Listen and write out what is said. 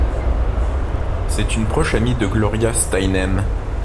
C'est une proche amie de Gloria Steinem.